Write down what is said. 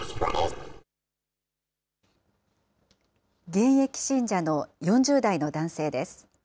現役信者の４０代の男性です。